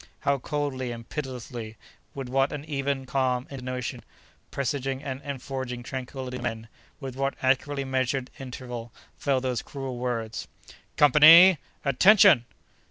How coldly and pitilessly—with what an even, calm intonation, presaging, and enforcing tranquility in the men—with what accurately measured interval fell those cruel words: "Company!… Attention!